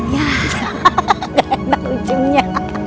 ya enak ujungnya